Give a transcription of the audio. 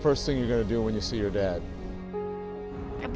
mengucapkan terima kasih untuk apa